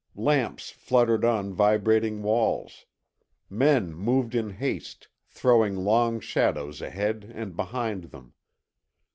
Lamps fluttered on vibrating walls. Men moved in haste, throwing long shadows ahead and behind them.